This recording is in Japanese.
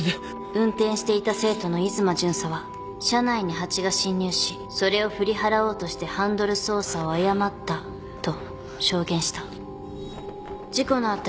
「運転していた生徒の出馬巡査は車内に蜂が侵入しそれを振り払おうとしてハンドル操作を誤ったと証言した」「事故のあった